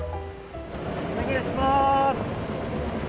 お願いします。